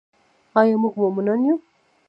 آیا موږ مومنان یو؟